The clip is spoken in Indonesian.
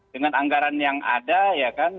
dengan anggaran yang ada ya kan